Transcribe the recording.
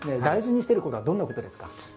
大事にしてることはどんなことですか？